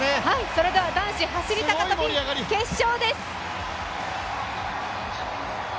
それでは男子走高跳、決勝です。